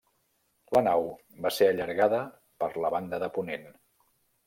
La nau va ser allargada per la banda de ponent.